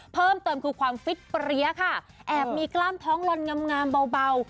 เพิ่มเติมคือความฟิตเปรี้ยค่ะแอบมีกล้ามท้องลอนงามเบา